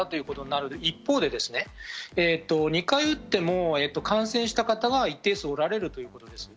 その一方で、２回打っても感染した方が一定数おられるということです。